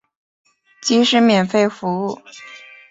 即使免费服务